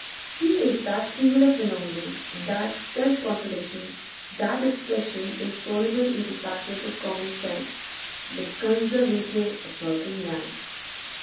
He is that singular phenomenon, that self contradiction, that expression insoluble into factors of common sense the Conservative working man.